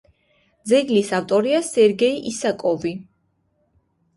ძეგლის ავტორია სერგეი ისაკოვი.